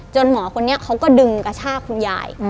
หมอคนนี้เขาก็ดึงกระชากคุณยาย